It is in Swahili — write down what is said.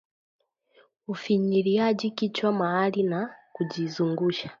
ufinyiliaji kichwa mahali na kujizungusha